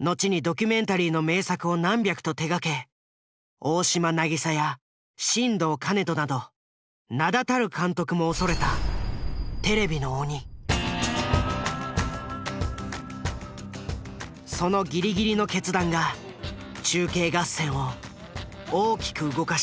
後にドキュメンタリーの名作を何百と手がけ大島渚や新藤兼人など名だたる監督も恐れたそのギリギリの決断が中継合戦を大きく動かした。